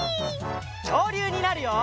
きょうりゅうになるよ！